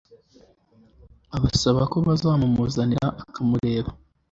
abasaba ko bazamumuzanira akamureba